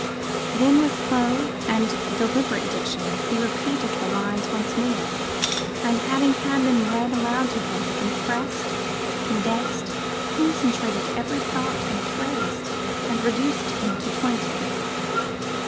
Then, with slow and deliberate diction, he repeated the lines once more: and, having had them read aloud to him, he compressed, condensed, concentrated every thought and phrase, and reduced them to twenty.